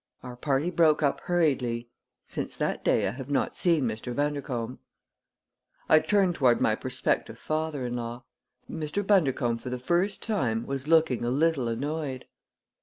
Our party broke up hurriedly. Since that day I have not seen Mr. Bundercombe." I turned toward my prospective father in law. Mr. Bundercombe for the first time was looking a little annoyed.